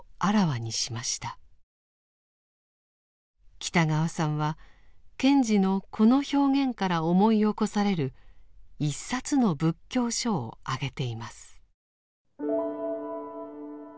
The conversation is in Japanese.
北川さんは賢治のこの表現から思い起こされる一冊の仏教書を挙げています。